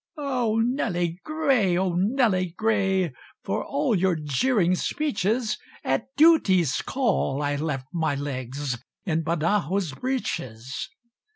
"O, Nelly Gray! O, Nelly Gray! For all your jeering speeches, At duty's call, I left my legs In Badajos's _breaches!